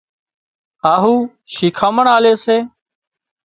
هاهُو شيکامڻ آلي سي